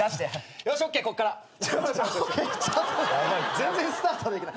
全然スタートできない。